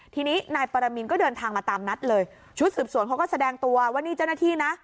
ทีนี้นายปรมินก็เดินทางมาตามนัดเลยชุดสืบสวนเขาก็แสดงตัวว่านี่เจ้าหน้าที่นะ